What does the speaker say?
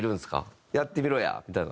「やってみろや」みたいな？